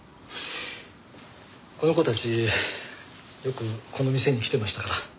この子たちよくこの店に来てましたから。